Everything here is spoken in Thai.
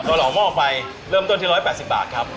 ต่อหล่อห้องออกไปเริ่มต้นที่ร้อยแปดสิบบาทครับ